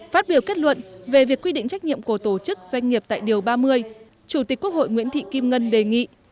phát biểu kết luận về việc quy định trách nhiệm của tổ chức doanh nghiệp tại điều ba mươi chủ tịch quốc hội nguyễn thị kim ngân đề nghị